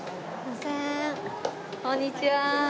こんにちは。